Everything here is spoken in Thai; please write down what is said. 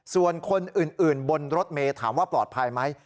ส่วนคนอื่นบนรถเมย์ถามว่าปลอดภัยไหม